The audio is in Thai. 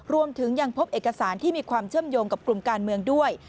รวมถึงยังพบเอกสารที่มีความเชื่อมโยงกับกลุ่มการเมืองด้วย